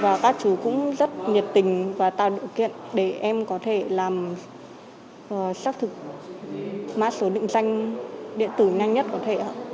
và các chú cũng rất nhiệt tình và tạo điều kiện để em có thể làm xác thực mã số định danh điện tử nhanh nhất có thể